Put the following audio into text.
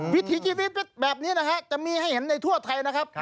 วิถีชีวิตแบบนี้นะฮะจะมีให้เห็นในทั่วไทยนะครับ